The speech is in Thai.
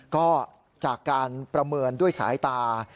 ก็จากการประเมินด้วยสายตา